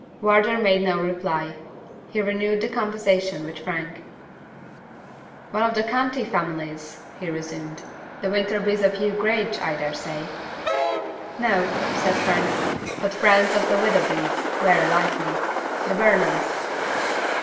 Wardour made no reply. He renewed the conversation with Frank. "One of the county families?" he resumed. "The Winterbys of Yew Grange, I dare say?" "No," said Frank; "but friends of the Witherbys, very likely. The Burnhams."